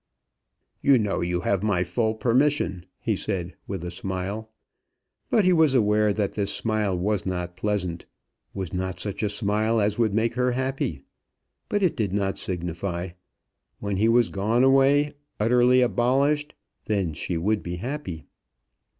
"You know you have my full permission," he said, with a smile. But he was aware that this smile was not pleasant, was not such a smile as would make her happy. But it did not signify. When he was gone away, utterly abolished, then she would be happy.